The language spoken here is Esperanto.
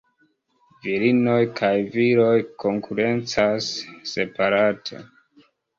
Virinoj kaj viroj konkurencas separate.